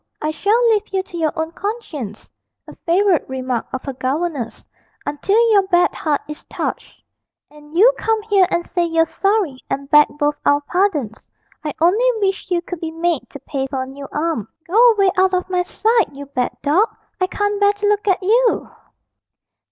I shall leave you to your own conscience' (a favourite remark of her governess) 'until your bad heart is touched, and you come here and say you're sorry and beg both our pardons. I only wish you could be made to pay for a new arm. Go away out of my sight, you bad dog; I can't bear to look at you!'